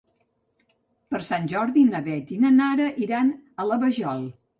Per Sant Jordi na Beth i na Nara iran a la Vajol.